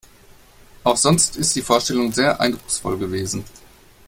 Auch sonst ist die Vorstellung sehr eindrucksvoll gewesen.